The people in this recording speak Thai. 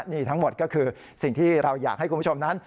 นี่ทั้งหมดก็คือสิ่งที่เราอยากให้คุณผู้ชมนั้น